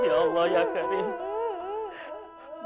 ya allah ya karim